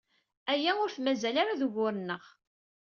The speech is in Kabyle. Aya ur t-mazal ara d ugur-nneɣ.